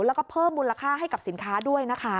แล้วก็เพิ่มมูลค่าให้กับสินค้าด้วยนะคะ